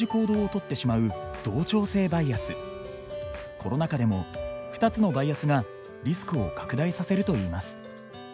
コロナ禍でも２つのバイアスがリスクを拡大させるといいます。